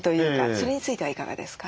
それについてはいかがですか？